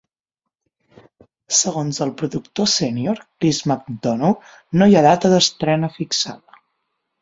Segons el productor sénior Chris McDonough "no hi ha data d'estrena" fixada.